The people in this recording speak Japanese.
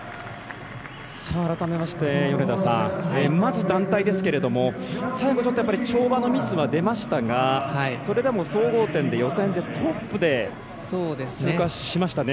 改めまして、米田さんまず団体ですけれども最後、ちょっと跳馬のミスは出ましたがそれでも総合点で予選でトップで通過しましたね。